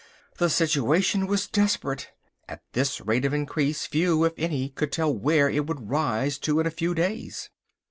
The situation was desperate. At this rate of increase few, if any, could tell where it would rise to in a few days.